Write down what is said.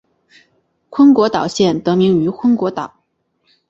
昏果岛县得名于昏果岛。